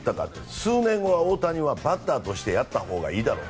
数年後、大谷はバッターとしてやったほうがいいだろう。